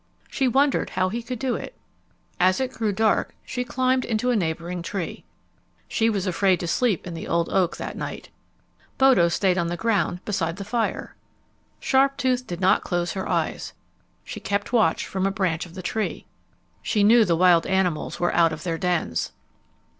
She wondered how he could do it. As it grew dark she climbed into a neighboring tree. She was afraid to sleep in the old oak that night. Bodo stayed on the ground beside the fire. Sharptooth did not close her eyes. She kept watch from a branch of the tree. She knew the wild animals were out of their dens.